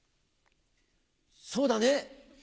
そうだね。